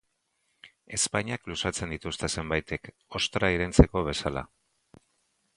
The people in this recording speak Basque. Ezpainak luzatzen dituzte zenbaitek, ostra irensteko bezala.